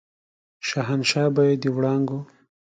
شهنشاه به يې د وړانګو